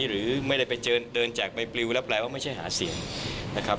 หรือไม่ได้ไปเดินแจกใบปลิวแล้วแปลว่าไม่ใช่หาเสียงนะครับ